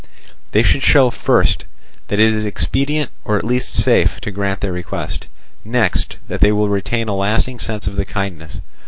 They should show, first, that it is expedient or at least safe to grant their request; next, that they will retain a lasting sense of the kindness.